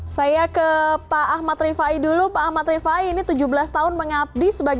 saya ke pak ahmad rifai dulu pak ahmad rifai ini tujuh belas tahun mengabdi